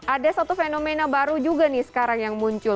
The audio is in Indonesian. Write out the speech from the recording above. ada satu fenomena baru juga nih sekarang yang muncul